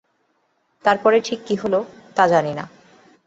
তার পরে কী হল ঠিক জানি নে।